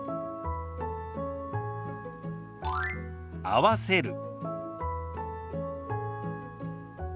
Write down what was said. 「合わせる」。